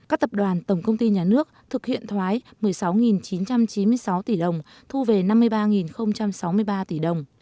các tập đoàn tổng công ty nhà nước thực hiện thoái một mươi sáu chín trăm chín mươi sáu tỷ đồng thu về năm mươi ba sáu mươi ba tỷ đồng